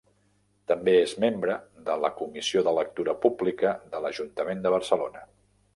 També és membre de la Comissió de Lectura Pública de l'Ajuntament de Barcelona.